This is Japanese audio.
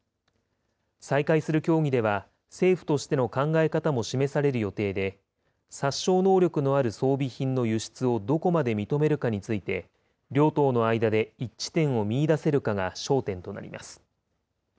再開する協議では、政府としての考え方も示される予定で、殺傷能力のある装備品の輸出をどこまで認めるかについて、両党の間で一致点を見いだせるかが焦点となります。